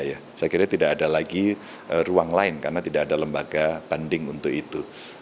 saya kira tidak ada lagi ruang lain karena tidak ada lembaga banding untuk itu